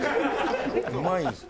うまいです。